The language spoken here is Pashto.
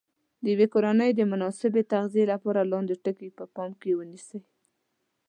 د یوې کورنۍ د مناسبې تغذیې لپاره لاندې ټکي په پام کې ونیسئ.